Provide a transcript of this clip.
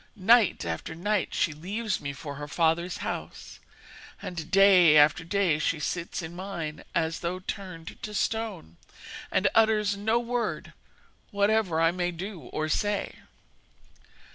Night after night she leaves me for her father's house, and day after day she sits in mine as though turned to stone, and utters no word, whatever I may do or say.'